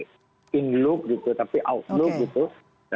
tapi di dalam tapi di luar